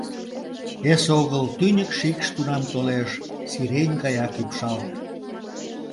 Эсогыл тӱньык шикш тунам толеш, сирень гаяк ӱпшалт.